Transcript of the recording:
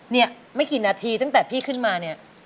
เนี่ยไม่กี่นาทีตั้งแต่พี่ขึ้นมาเนี่ย